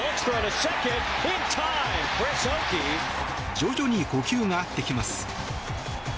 徐々に呼吸が合ってきます。